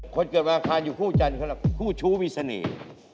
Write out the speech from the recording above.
คนเกิดอังคารอยู่คู่จันทร์คู่ชู้วิสเนย